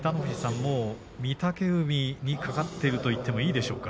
もう御嶽海にかかっていると言っていいんでしょうか。